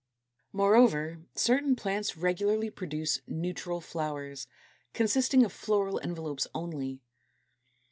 233. Moreover, certain plants regularly produce neutral flowers, consisting of floral envelopes only.